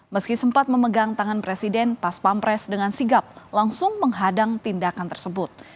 meski sempat memegang tangan presiden pas pampres dengan sigap langsung menghadang tindakan tersebut